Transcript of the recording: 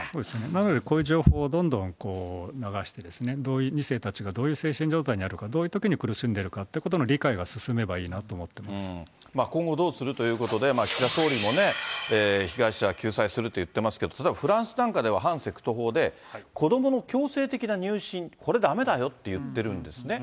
なので、こういう情報をどんどん流して、２世たちがどういう精神状態にあるか、どういうときに苦しんでるかということの理解が進めばいいなと思今後どうするということで、岸田総理も被害者救済すると言ってますけど、例えばフランスなんかでは、反セクト法で、子どもの強制的な入信、これ、だめだよって言ってるんですね。